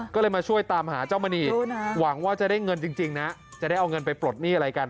ก็เลยมาช่วยตามหาเจ้ามณีหวังว่าจะได้เงินจริงนะจะได้เอาเงินไปปลดหนี้อะไรกัน